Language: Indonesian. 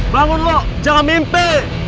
bangun lo jangan mimpi